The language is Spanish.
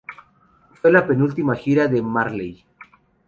Fue la penúltima gira de Marley.